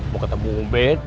mau ketemu umbet